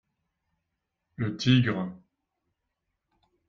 Le tigre.